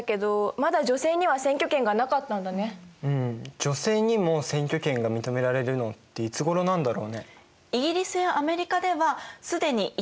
女性にも選挙権が認められるのっていつごろなんだろうね？